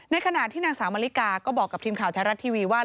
ขณะที่นางสาวมะลิกาก็บอกกับทีมข่าวแท้รัฐทีวีว่า